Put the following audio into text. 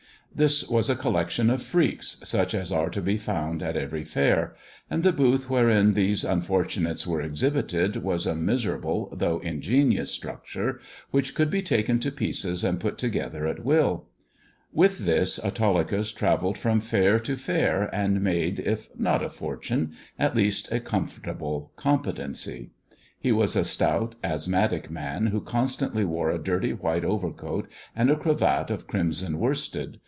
This was a collection of freaks, ich as are to be found at every fair; and the booth herein these unfortunates were exhibited was a miserable lough ingenious structure, which could be taken to pieces ad put together at will. With this Autolycus travelled 70 THE dwarf's chamber from fair to fair, and made, if not a fortune, at least a com fortable competency. He was a stout, asthmatic man, who constantly wore a dirty white overcoat, and a cravat of crimson worsted.